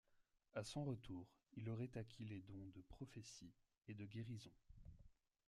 À son retour, il aurait acquis les dons de prophétie et de guérison.